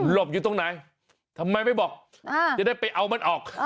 บอยู่ตรงไหนทำไมไม่บอกจะได้ไปเอามันออก